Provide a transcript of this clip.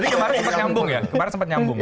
jadi kemarin sempat nyambung ya